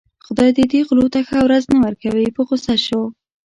خدای دې دې غلو ته ښه ورځ نه ورکوي په غوسه شو.